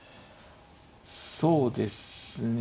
そうですね。